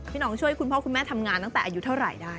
น้องช่วยคุณพ่อคุณแม่ทำงานตั้งแต่อายุเท่าไหร่ได้